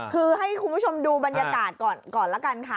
คือให้คุณผู้ชมดูบรรยากาศก่อนละกันค่ะ